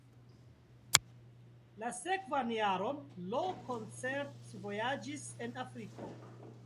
La sekvan jaron Lo koncert-vojaĝis en Afriko.